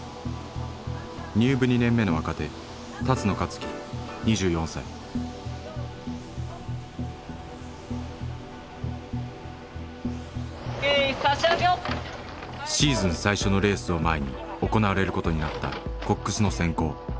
入部２年目の若手シーズン最初のレースを前に行われることになったコックスの選考。